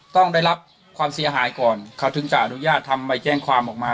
ต้องได้รับความเสียหายก่อนเขาถึงจะอนุญาตทำใบแจ้งความออกมา